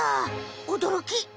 おどろき！